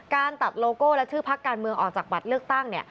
การตัดโลโก้และชื่อพักการเมืองออกจากบัตรเลือกตั้ง